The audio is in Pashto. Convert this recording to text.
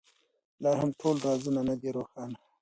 لا هم ټول رازونه نه دي روښانه.